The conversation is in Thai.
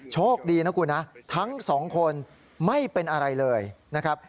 โชคดีนะคุณนะทั้งสองคนไม่เป็นอะไรเลยนะครับ